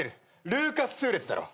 ルーカス数列だろ。